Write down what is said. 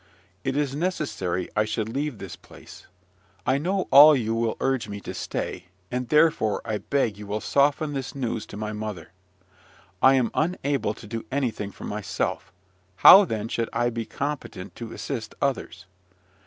It is necessary I should leave this place. I know all you will urge me to stay, and therefore I beg you will soften this news to my mother. I am unable to do anything for myself: how, then, should I be competent to assist others?